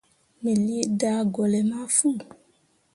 Me lii daagolle ma fu.